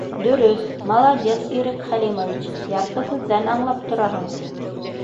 — Дөрөҫ, молодец, Ирек Хәлимович, ярты һүҙҙән аңлап тораһың